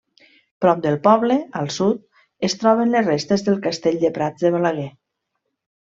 Prop del poble, al sud, es troben les restes del Castell de Prats de Balaguer.